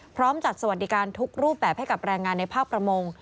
พร้อมจัดสวัสดิการทุกรูปแบบให้กับแรงงานในภาคประมง